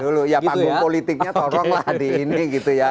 dulu ya panggung politiknya tolonglah di ini gitu ya